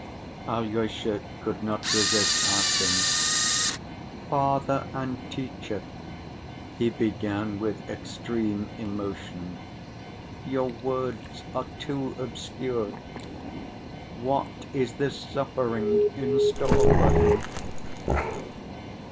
Alyosha could not resist asking: "Father and teacher," he began with extreme emotion, "your words are too obscure.... What is this suffering in store for him?"